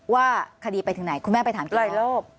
ว่าคดีไปถึงไหนคุณแม่ไปถามก้อยรอบ